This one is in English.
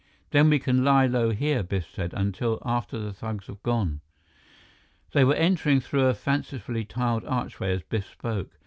"Then we can lie low here," Biff said, "until after the thugs have gone." They were entering through a fancifully tiled archway as Biff spoke.